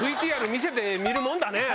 ＶＴＲ見せてみるもんだね。